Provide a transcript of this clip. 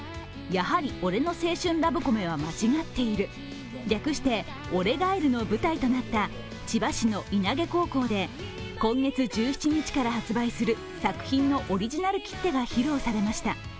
「やはり俺の青春ラブコメはまちがっている」略して「俺ガイル」の舞台となった千葉市の稲毛高校で今月１７日から発売する作品のオリジナル切手が披露されました。